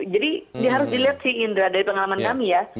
jadi harus dilihat sih indra dari pengalaman kami ya